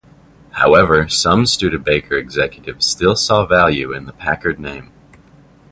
However, some Studebaker executives still saw value in the Packard name.